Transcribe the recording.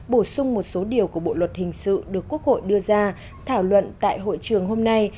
bổ sung một số điều của bộ luật hình sự được quốc hội đưa ra thảo luận tại hội trường hôm nay